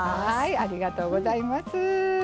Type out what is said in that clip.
ありがとうございます。